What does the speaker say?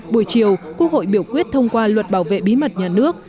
buổi chiều quốc hội biểu quyết thông qua luật bảo vệ bí mật nhà nước